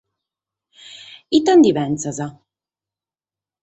Ite nde pensas?